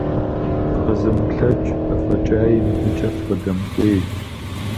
ФыкъызэмыплъэкӀ, афӀэкӀаи мыбыкӀэ фыкъыдэмыкӀуей.